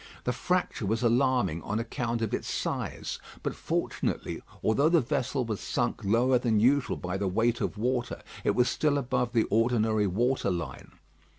The fracture was alarming on account of its size; but fortunately, although the vessel was sunk lower than usual by the weight of water, it was still above the ordinary water line.